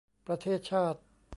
ประเทศชาติ